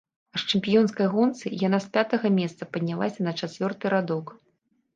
А ў чэмпіёнскай гонцы яна з пятага месца паднялася на чацвёрты радок.